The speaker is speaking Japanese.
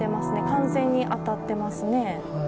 完全に当たってますね。